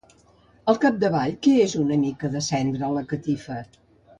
Al capdavall, què és una mica de cendra a la catifa?